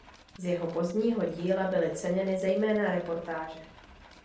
Z jeho pozdního díla byly ceněny zejména reportáže.